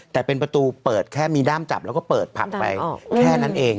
แต่เป็นประตูเปิดแค่มีด้ามจับแล้วก็เปิดผับไปแค่นั้นเอง